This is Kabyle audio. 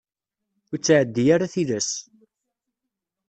Ur ttɛeddi ara tilas.